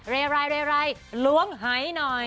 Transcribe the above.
เลลายเลลายเลลายล้วงให้หน่อย